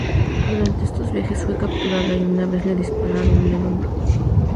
Durante esos viajes fue capturada y una vez le dispararon en el hombro.